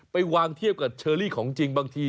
ไปวางเทียบกับเชอรี่ของจริงบางที